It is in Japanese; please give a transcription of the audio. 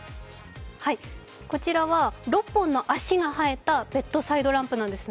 こちらは６本の足が生えたベッドサイドランプなんです。